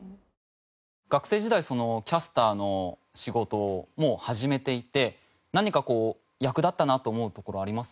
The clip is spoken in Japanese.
学生時代キャスターの仕事をもう始めていて何かこう役立ったなと思うところはあります？